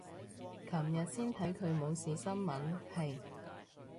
琴日先看他冇事新聞，唉。